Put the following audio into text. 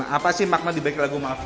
apa sih makna diberi lagu maafkan aku ini